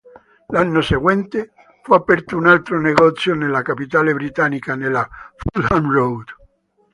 L'anno seguente, fu aperto un altro negozio nella capitale britannica, nella Fulham Road.